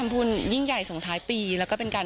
วันนี้ได้ทราบกับท่าน